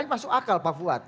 masuk akal pak fuad